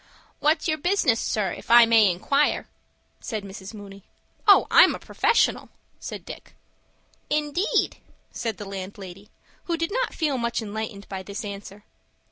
"What's your business, sir, if I may inquire?" said Mrs. Mooney. "Oh, I'm professional!" said Dick. "Indeed!" said the landlady, who did not feel much enlightened by this answer.